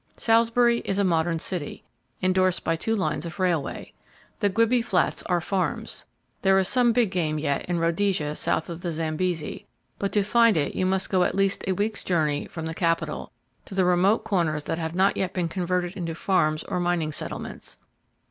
Salisbury is a modern city, endorsed by two lines of railway. The Gwibi Flats are farms. There is some big game yet, in Rhodesia south of the Zambesi, but to find it you must go at least a week's journey from the capital, to the remote corners that have not yet been converted into farms or mining settlements.